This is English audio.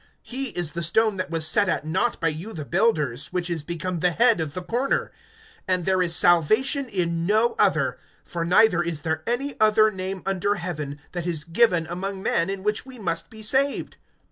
(11)He is the stone that was set at naught by you the builders, which is become the head of the corner. (12)And there is salvation in no other; for neither is there any other name under heaven, that is given among men, in which we must be saved.